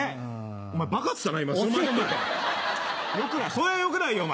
それは良くないよお前。